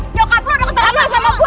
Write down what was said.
nyokap lu udah keterlaluan sama gue